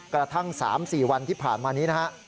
กระทั่งสามสี่วันที่ผ่านมานี้นะครับ